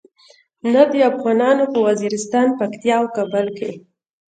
نه د افغانانو په وزیرستان، پکتیا او کابل کې.